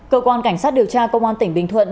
cảnh sát điều tra công an tỉnh bình thuận